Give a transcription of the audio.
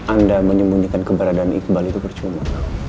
anda menyembunyikan keberadaan iqbal itu percuma